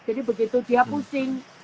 jadi begitu dia pusing